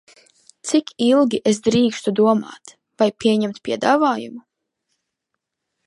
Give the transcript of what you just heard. Cik ilgi es drīkstu domāt, vai pieņemt piedāvājumu?